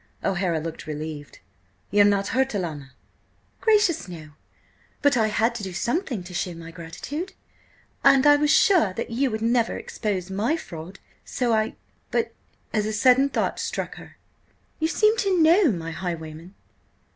O'Hara looked relieved. "Ye are not hurt, alanna?" "Gracious, no! But I had to do something to show my gratitude–and I was sure that you would never expose my fraud–so I— But," as a sudden thought struck her, "you seem to know my highwayman!"